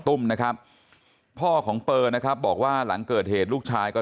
ตุ้มนะครับพ่อของเปอร์นะครับบอกว่าหลังเกิดเหตุลูกชายก็